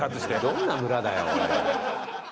どんな村だよおい。